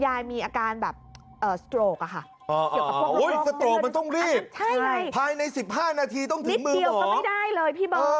ภายใน๑๕นาทีต้องถึงมือหมองพี่บอสนิดเดียวก็ไม่ได้เลย